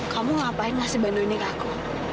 kamu ngapain ngasih bantuinnya ke aku